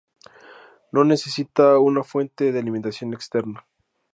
No necesita una fuente de alimentación externa.